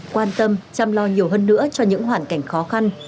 quan tâm chăm lo nhiều hơn nữa cho những hoàn cảnh khó khăn